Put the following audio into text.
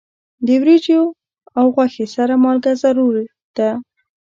د وریجو او غوښې سره مالګه ضروری ده.